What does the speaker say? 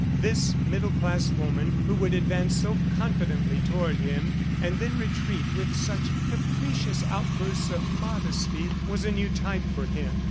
This middle class woman who would advance so confidently toward him and then retreat with such capricious outbursts of modesty, was a new type for him.